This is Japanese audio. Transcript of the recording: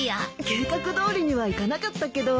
計画どおりにはいかなかったけど。